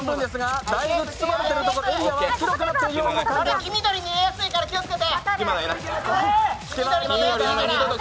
黄緑見えやすいから気をつけて！